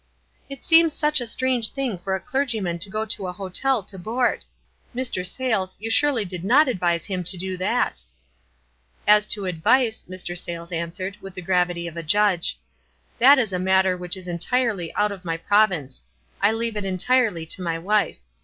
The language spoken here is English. "It seems such a strange thing for a clergyman to go to a hotel to board. Mr. Sayles, you surely did not ad vise him to do that !" "As to advice," Mr. Sayles answered, with the gravity of a judge, "that is a matter which is entirely out of my province. I leave it en tirely to my wife.